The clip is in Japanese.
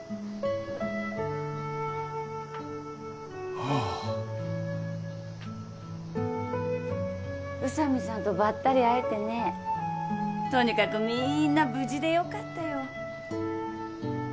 おう宇佐美さんとばったり会えてねとにかくみんな無事でよかったよ